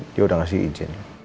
dia udah ngasih izin